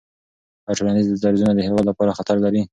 آیا ټولنیز درزونه د هېواد لپاره خطر لري؟